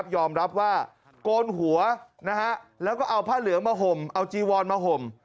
ยอมรับว่าโกนหัวแล้วก็เอาผ้าเหลืองมาห่มเอาจีวอนมาห่ม